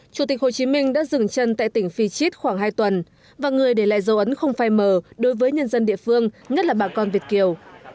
chủ tịch hồ chí minh đã dừng chân tại tỉnh phi chít khoảng hai tuần và người để lại dấu ấn không phai mờ đối với nhân dân địa phương nhất là bà con việt kiều